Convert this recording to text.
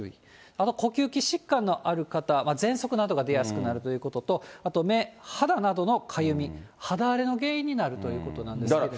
あと呼吸器疾患のある方、ぜんそくなどが出やすくなるということと、あと目、肌などのかゆみ、肌荒れの原因になるということなんですけれども。